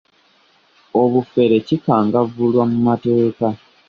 Obufere kikangavvulwa mu mateeka.